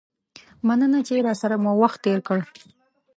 مننه چې راسره مو وخت تیر کړ.